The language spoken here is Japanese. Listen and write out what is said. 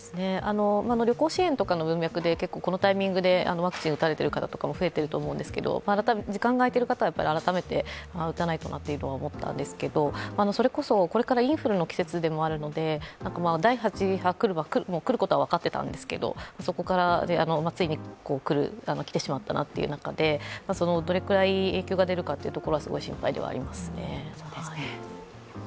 旅行支援とかの文脈でこのタイミングでワクチンを打たれている方も増えていると思うんですけど、時間が空いている方は改めて打たないとなと思ったんですけど、それこそこれからインフルの季節でもあるので、第８波がもう来ることは分かっていたんですけれども、そこから、ついに来てしまったという中でどれくらい影響が出るかというところはすごい心配ではありますね。